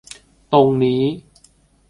ตรงนี้